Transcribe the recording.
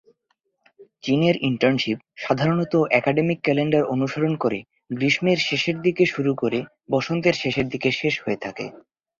চীনের ইন্টার্নশীপ সাধারণত academic calendar অনুসরণ করে গ্রীষ্মের শেষের দিকে শুরু করে বসন্তের শেষের দিকে শেষ হয়ে থাকে।